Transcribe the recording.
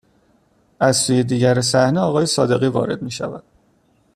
از سوی دیگر صحنه آقای صادقی وارد میشود